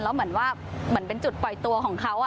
แล้วเหมือนว่าเหมือนเป็นจุดปล่อยตัวของเขา